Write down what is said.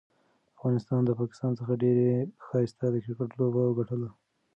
افغانستان ده پاکستان څخه ډيره ښايسته د کرکټ لوبه وګټله.